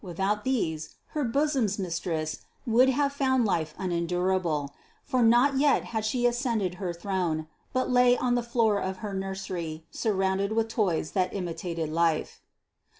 Without these, her bosom's mistress would have found life unendurable, for not yet had she ascended her throne, but lay on the floor of her nursery, surrounded with toys that imitated life.